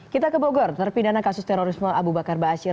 kita ke bogor terpindahkan kasus terorisme abu bakar ba'asyir